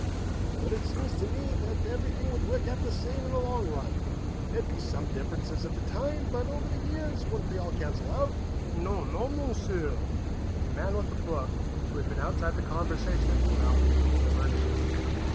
"But it seems to me that everything would work out the same in the long run. There'd be some differences at the time, but over the years wouldn't they all cancel out?" "Non, non, Monsieur!" the man with the book, who had been outside the conversation until now, told him earnestly.